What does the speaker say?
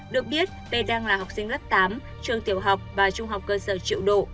được biết p đang là học sinh lớp tám trường tiểu học và trung học cơ sở triệu độ